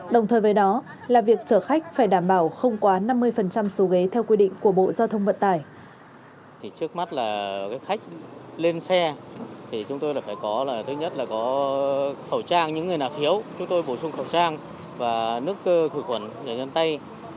đồng thời với đó là việc chở khách phải đảm bảo không quá năm mươi số ghế theo quy định của bộ giao thông vận tải